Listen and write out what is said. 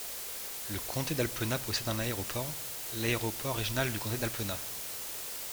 Le comté d'Alpena possède un aéroport, l'aéroport régional du comté d'Alpena.